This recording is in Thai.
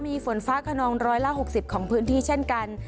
มีฝนฟ้าขนม๑๖๐ของพื้นที่เช่นกัน